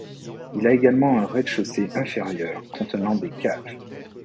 Il y a également un rez-de-chaussée inférieur contenant des caves.